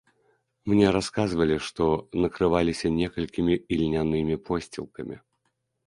Мне расказвалі, што накрываліся некалькімі ільнянымі посцілкамі.